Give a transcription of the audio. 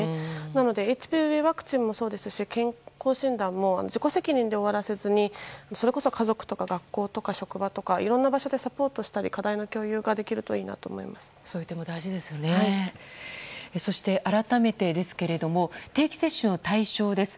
なのでＨＰＶワクチンもそうですし健康診断も自己責任で終わらせずにそれこそ家族とか学校とか職場とか、いろんな場所でサポートしたり課題の共有ができるとそして、改めてですけれども定期接種の対象です。